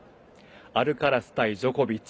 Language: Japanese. アルカラス対ジョコビッチ。